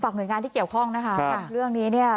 หน่วยงานที่เกี่ยวข้องนะคะเรื่องนี้เนี่ย